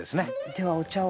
ではお茶を。